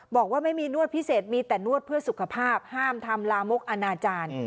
บอกว่าไม่มีนวดพิเศษมีแต่นวดเพื่อสุขภาพห้ามทำลามกอนาจารย์